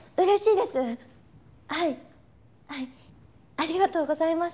ありがとうございます。